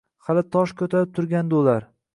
Hali tosh ko’tarib turgandi ular.